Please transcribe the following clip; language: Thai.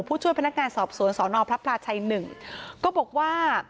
ผู้ช่วยพนักงานสอบสวนสนพระพลาชัยหนึ่งก็บอกว่า